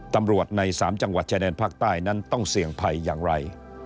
ตำรวจใน๓จังหวัดชายแดนภาคใต้นั้นต้องเสี่ยงภัยอย่างไร